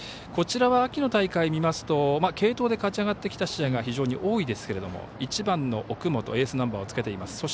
こちらは秋の大会を見ますと継投で勝ち上がってきた試合が非常に多いですけれども１番の奥本エースナンバーをつけています。